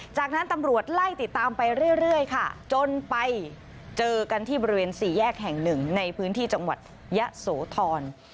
จากนั้นตำรวจไล่ติดตามไปเรื่อยค่ะจนไปเจอกันที่บริเวณสี่แยกแห่งหนึ่งในพื้นที่จังหวัดยะโสธร